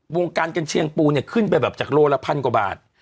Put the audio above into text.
วงการกันเชียงปูเนี่ยขึ้นไปแบบจากโลละพันกว่าบาท